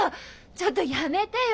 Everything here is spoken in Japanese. ちょっとやめてよ！